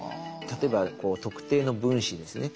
例えば特定の分子ですね。